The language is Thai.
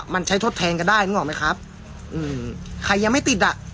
มันใช้ทดแทนก็ได้นึกออกไหมครับอืมใครยังไม่ติดอ่ะ